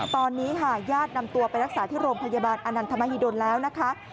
ตอนนี้ค่ะญาตินำตัวไปรักษาที่โรงพยาบาลอนันทมหิดลแล้วนะคะ